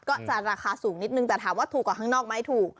ก็จะราคาสูงนิดนึงแต่ถามว่าถูกกว่าข้างนอกไหมถูก